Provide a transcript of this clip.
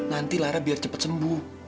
nanti lara biar cepat sembuh